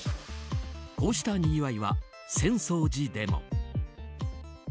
こうしたにぎわいは、浅草寺でも。